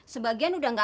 sebagian udah gak ada